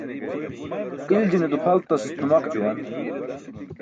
Iljine dupʰaltas tumaq juwan.